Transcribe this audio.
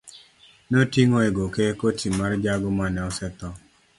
Noting'o e goke koti mar jago mane osetho.